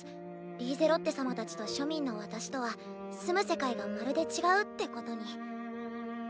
リーゼロッテ様たちと庶民の私とは住む世界がまるで違うってことに。